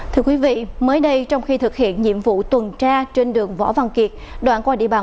thưa quý vị mới đây trong khi thực hiện nhiệm vụ tuần tra trên đường võ văn kiệt đoạn qua địa